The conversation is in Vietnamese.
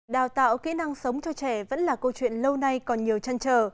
đào tạo kỹ năng sống cho trẻ vẫn là câu chuyện lâu nay còn nhiều chăn trở